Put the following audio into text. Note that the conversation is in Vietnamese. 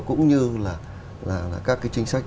cũng như là các cái chính sách